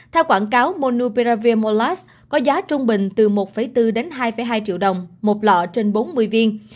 theo quảng cáo monuperavir molas có giá trung bình từ một bốn đến hai hai triệu đồng một lọ trên bốn mươi viên